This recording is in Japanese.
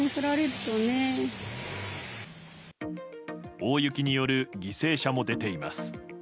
大雪による犠牲者も出ています。